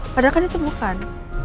padahal kan itu bukan